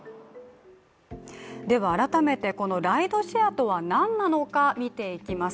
改めてこのライドシェアとは何なのか、見ていきます。